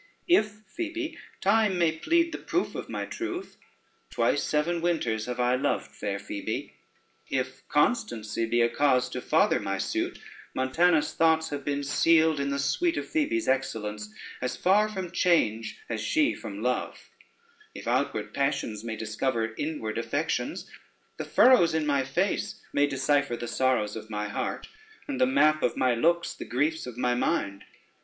If, Phoebe, time may plead the proof of my truth, twice seven winters have I loved fair Phoebe: if constancy be a cause to farther my suit, Montanus' thoughts have been sealed in the sweet of Phoebe's excellence, as far from change as she from love: if outward passions may discover inward affections, the furrows in my face may decipher the sorrows of my heart, and the map of my looks the griefs of my mind.